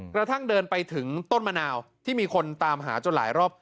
กระทั่งเดินไปถึงต้นมะนาวที่มีคนตามหาจนหลายรอบ